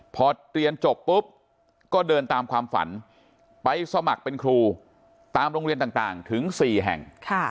พอเรียนจบปุ๊บก็เดินตามความฝันไปสมัครเป็นครูตามโรงเรียนต่างถึง๔แห่ง